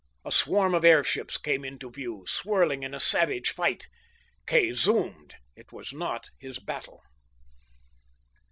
A swarm of airships came into view, swirling in savage fight. Kay zoomed. It was not his battle.